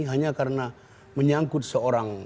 hanya karena menyangkut seorang